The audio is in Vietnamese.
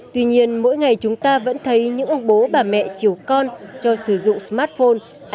tuy nhiên mỗi ngày chúng ta vẫn thấy những ông bố bà mẹ chiều con cho sử dụng smartphone